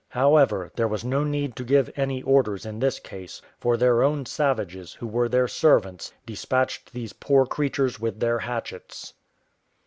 However, there was no need to give any orders in this case; for their own savages, who were their servants, despatched these poor creatures with their hatchets.